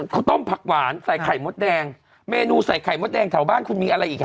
ข้าวต้มผักหวานใส่ไข่มดแดงเมนูใส่ไข่มดแดงแถวบ้านคุณมีอะไรอีกฮ